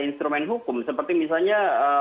instrumen hukum seperti misalnya